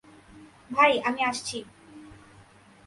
ভাই, আমি আসছি।